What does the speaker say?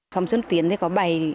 xóm sơn tiến có bảy